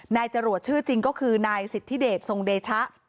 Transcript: นายจรวจชื่อจริงน่าจะแต่นั้นคือนายสิทธิเดชศงเดชะ